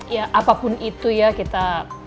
ya apapun itu ya kita